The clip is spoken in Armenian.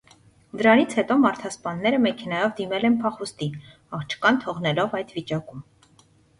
Դրանից հետո մարդասպանները մեքենայով դիմել են փախուստի՝ աղջկան թողնելով այդ վիճակում։